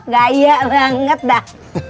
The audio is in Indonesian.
gaya banget dah